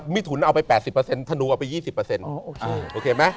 มิถุนเอาไป๘๐ธนูเอาไป๒๐